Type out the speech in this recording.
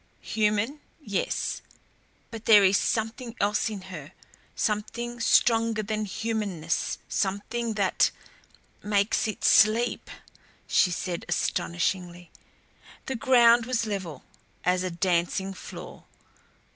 "Human, yes but there is something else in her something stronger than humanness, something that makes it sleep!" she added astonishingly. The ground was level as a dancing floor.